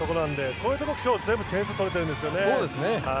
こういうところ今日、全部点数取れてるんですよね。